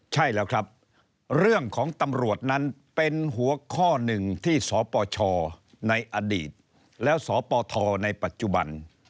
ใช่แล้วครับเรื่องของตำรวจนั้นเป็นหัวข้อหนึ่งที่สปชในอดีตแล้วสปทในปัจจุบัน